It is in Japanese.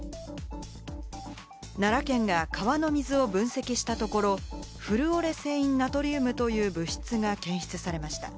奈良県が川の水を分析したところ、フルオレセインナトリウムという物質が検出されました。